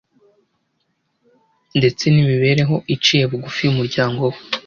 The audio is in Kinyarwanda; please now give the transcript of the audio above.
ndetse n'imibereho iciye bugufi y'umuryango we.